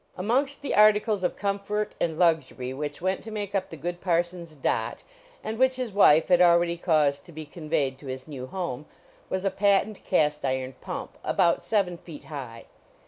Amongst the articles of comfort and luxury which went to make up the good parson's dot, and which his wife had already caused to be conveyed to his new home, was a patent cast iron pump, about seven feet high.